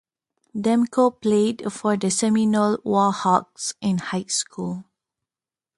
Demko played for the Seminole Warhawks in high school.